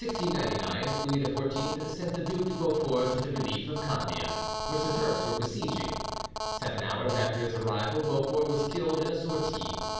In 1699 Louis XIV sent the Duc de Beaufort to the relief of Candia, which the Turks were besieging. Seven hours after his arrival Beaufort was killed in a sortie.